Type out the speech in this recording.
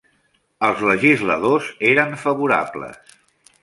Els legisladors eren favorables.